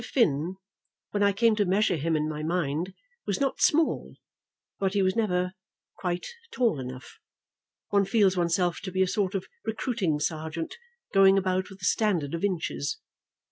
Finn, when I came to measure him in my mind, was not small, but he was never quite tall enough. One feels oneself to be a sort of recruiting sergeant, going about with a standard of inches.